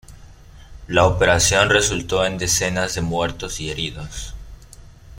La operación resultó en decenas de muertos y heridos.